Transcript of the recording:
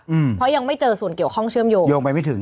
อืมเพราะยังไม่เจอส่วนเกี่ยวข้องเชื่อมโยงโยงไปไม่ถึง